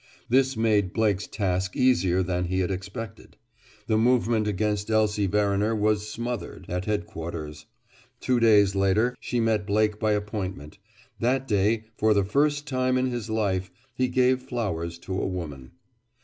This made Blake's task easier than he had expected. The movement against Elsie Verriner was "smothered" at Headquarters. Two days later she met Blake by appointment. That day, for the first time in his life, he gave flowers to a woman.